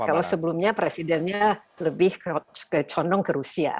kalau sebelumnya presidennya lebih ke condong ke rusia